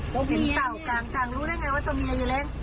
เห็นเตากลางรู้ได้ไงว่าตัวเมียอยู่เล็ก